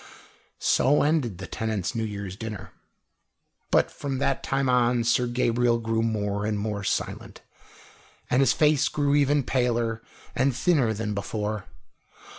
So ended the tenants' New Year's dinner. But from that time on Sir Gabriel grew more and more silent, and his face grew even paler and thinner than before.